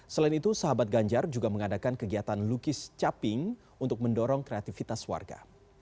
selain itu sahabat ganjar juga mengadakan kegiatan lukis caping untuk mendorong kreativitas warga